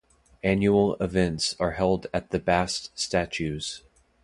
Annual events are held at the Bast statues.